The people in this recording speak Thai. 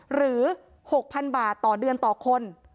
หรือ๖๐๐๐บาทต่อเดือนต่อคน